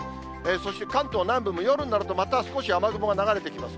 そして関東南部も夜になるとまた少し雨雲が流れてきます。